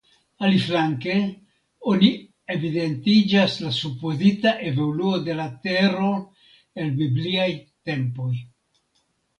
Aliflanke oni evidentiĝas la supozita evoluo de la Tero el bibliaj tempoj.